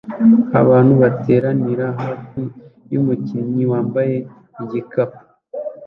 Abantu bateranira hafi yumukinyi wambaye igikapu